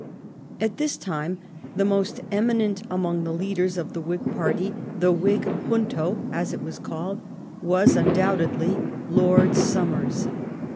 At this time the most eminent among the leaders of the Whig party, the Whig Junto, as it was called, was undoubtedlv Lord Somers.